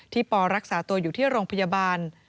ปรักษาตัวอยู่ที่โรงพยาบาล